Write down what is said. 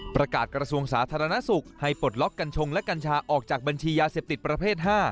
กระทรวงสาธารณสุขให้ปลดล็อกกัญชงและกัญชาออกจากบัญชียาเสพติดประเภท๕